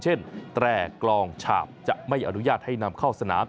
แตร่กลองฉาบจะไม่อนุญาตให้นำเข้าสนาม